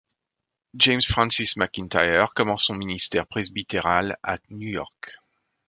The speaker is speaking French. James Francis McIntyre commence son ministère presbytéral à New York.